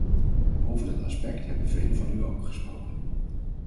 Over dat aspect hebben velen van u ook gesproken.